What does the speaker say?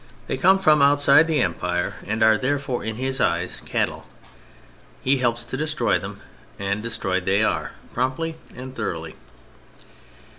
They come from outside the Empire and are therefore, in his eyes, cattle. He helps to destroy them, and destroyed they are—promptly and thoroughly.